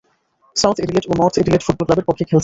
South Adelaide ও North Adelaide football ক্লাবের পক্ষে খেলেছেন।